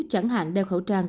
chẳng hạn đeo khẩu trang